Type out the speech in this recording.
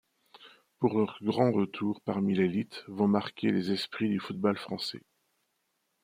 Pour leur grand retour parmi l'élite, vont marquer les esprits du football français.